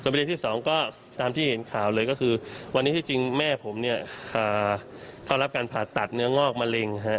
ประเด็นที่สองก็ตามที่เห็นข่าวเลยก็คือวันนี้ที่จริงแม่ผมเนี่ยเข้ารับการผ่าตัดเนื้องอกมะเร็ง